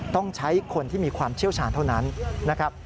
ต้องใช้คนที่มีความเชี่ยวชาญเท่านั้นนะครับ